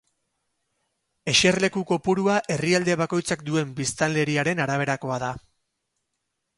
Eserleku kopurua herrialde bakoitzak duen biztanleriaren araberakoa da.